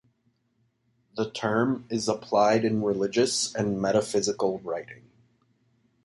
The term is applied in religious and metaphysical writing.